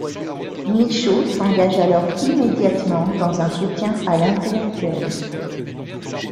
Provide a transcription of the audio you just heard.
Michaud s'engage alors immédiatement dans un soutien à l'intellectuel.